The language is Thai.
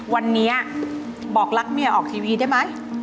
วันนี้บอกรักเมียออกทีวีได้ไหม